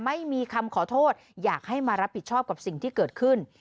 ไม่มีคำขอโทษอยากให้มารับผิดชอบกับสิ่งที่เกิดขึ้น